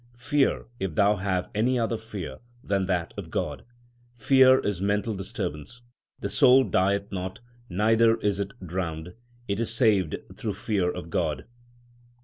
Fear if thou have any other fear than that of God : Fear is mental disturbance. The soul dieth not, neither is it drowned ; it is saved through fear of God.